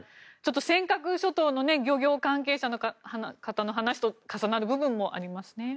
尖閣諸島の漁業関係者の方の話と話と重なる部分もありますね。